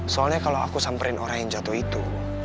soalnya kalau aku samperin orang yang jatuh itu